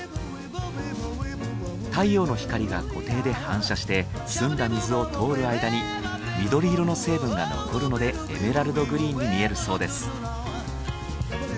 太陽の光が湖底で反射して澄んだ水を通る間に緑色の成分が残るのでエメラルドグリーンに見えるそうです。